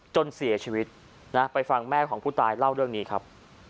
จนเสียชีวิตนะไปฟังแม่ของผู้ตายเล่าเรื่องนี้ครับ